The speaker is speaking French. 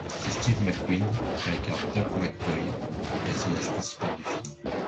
C'est Steve McQueen qui incarne Doc McCoy, le personnage principal du film.